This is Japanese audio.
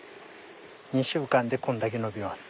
２週間でこんだけ伸びます。